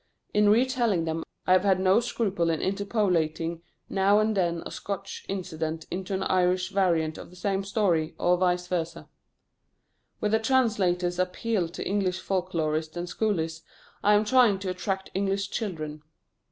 In re telling them I have had no scruple in interpolating now and then a Scotch incident into an Irish variant of the same story, or vice versâ. Where the translators appealed to English folk lorists and scholars, I am trying to attract English children.